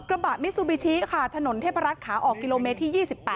กระบะมิซูบิชิค่ะถนนเทพรัฐขาออกกิโลเมตรที่๒๘